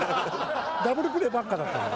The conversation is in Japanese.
ダブルプレーばっかだったから。